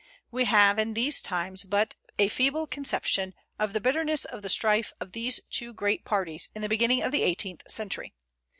We have in these times but a feeble conception of the bitterness of the strife of these two great parties in the beginning of the eighteenth century.